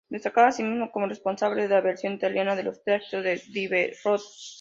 Destaca asimismo como responsable de la versión italiana de los textos de Diderot.